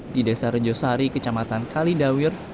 di desa rejosari kecamatan kalidawir